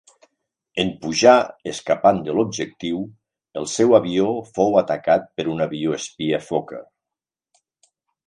En pujar escapant de l'objectiu, el seu avió fou atacat per un avió espia Fokker.